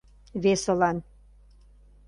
Весылан